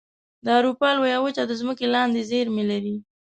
د اروپا لویه وچه د ځمکې لاندې زیرمې لري.